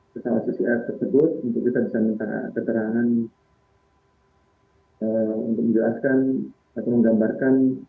kita akan menjelaskan atau menggambarkan